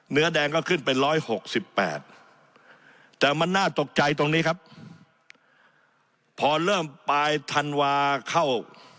เนื้อแดงก็ขึ้นเป็น๑๖๘แต่มันน่าตกใจตรงนี้ครับพอเริ่มปลายธันวาเข้า